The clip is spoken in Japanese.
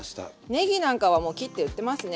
ねぎなんかはもう切って売ってますね。